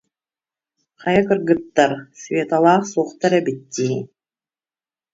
Хайа, кыргыттар, Светалаах суохтар эбит дии